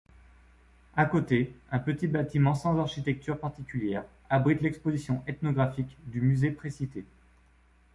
À côté, un petit bâtiment sans architecture particulière, abrite l'exposition ethnographique du musée précité.